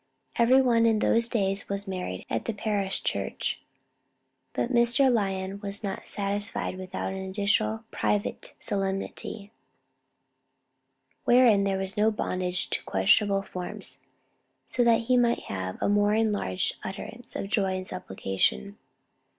Every one in those days was married at the parish church; but Mr. Lyon was not satisfied without an additional private solemnity, "wherein there was no bondage to questionable forms, so that he might have a more enlarged utterance of joy and supplication."